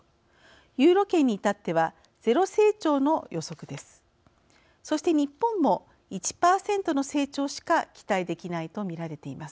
ユーロ圏に至ってはゼロ成長の予測です。